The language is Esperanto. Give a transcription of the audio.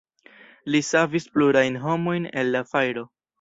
Li savis plurajn homojn el la fajro.